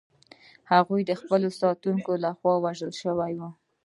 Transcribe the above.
هغه د خپلو ساتونکو لخوا ووژل شوه.